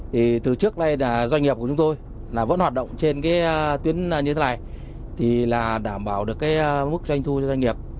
thì từ trước nay là doanh nghiệp của chúng tôi là vẫn hoạt động trên cái tuyến như thế này thì là đảm bảo được cái mức doanh thu cho doanh nghiệp